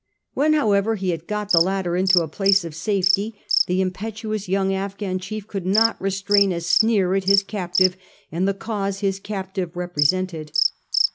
When, however, he had got the latter into a place of safety, the impetuous young Afghan chief could not restrain a sneer at his captive and the cause his captive represented.